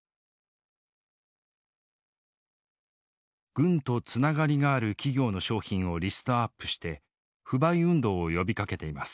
軍とつながりがある企業の商品をリストアップして不買運動を呼びかけています。